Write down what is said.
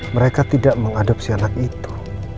mereka tidak mengadopsi anak itu